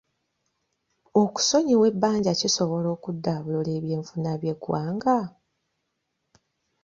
Okusonyiwa ebbanja kisobola okuddaabulula eby'enfuna by'eggwanga?